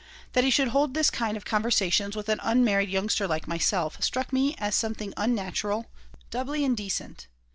That he should hold this kind of conversations with an unmarried youngster like myself struck me as something unnatural, doubly indecent.